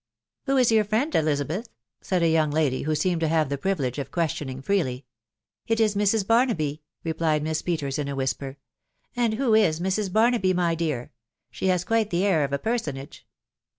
"Who is your friend, Elizabeth?" said a young lady, who seemed to have the privilege of questioning freely. " It is Mrs. Barnaby," replied Miss Peters in a whisper. " And who is Mrs. Barnaby, my dear ?...• She hat quite the air of a personage."